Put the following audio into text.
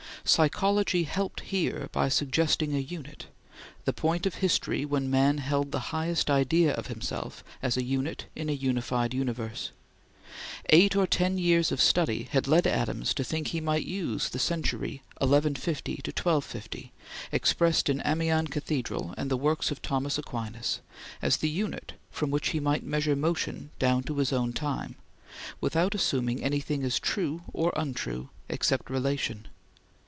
Psychology helped here by suggesting a unit the point of history when man held the highest idea of himself as a unit in a unified universe. Eight or ten years of study had led Adams to think he might use the century 1150 1250, expressed in Amiens Cathedral and the Works of Thomas Aquinas, as the unit from which he might measure motion down to his own time, without assuming anything as true or untrue, except relation.